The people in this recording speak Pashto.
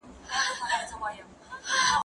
زه به سبا کښېناستل کوم؟!